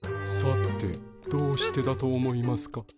さてどうしてだと思いますか？